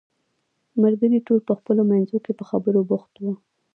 ملګري ټول په خپلو منځو کې په خبرو بوخت وو.